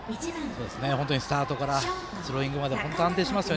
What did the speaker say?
スタートからスローイングまで安定しています。